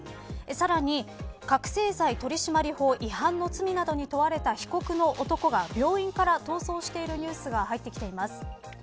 さらに、覚せい剤取締法違反の罪などに問われた被告の男が病院から逃走しているニュースが入ってきています。